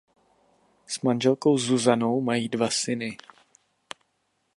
S manželkou Zuzanou mají dva syny.